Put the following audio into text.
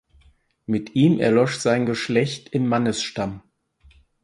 Mit ihm erlosch sein Geschlecht im Mannesstamm.